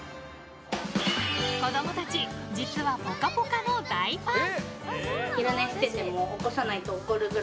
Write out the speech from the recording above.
子供たち実は「ぽかぽか」の大ファン。